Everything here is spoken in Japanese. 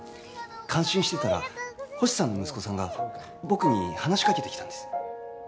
感心してたら星さんの息子さんが僕に話しかけてきたんです。